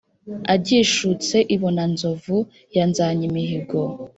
agishutse i bonanzovu ya nzanyimihigo.